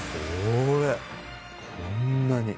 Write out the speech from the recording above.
こんなに。